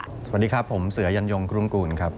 สวัสดีครับผมเสือยันยงกรุงกูลครับ